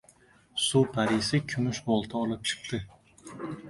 Suv parisi kumush bolta olib chiqdi.